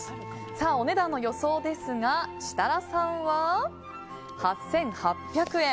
お値段の予想ですが設楽さんは８８００円。